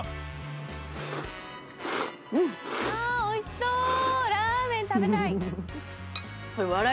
おいしそう！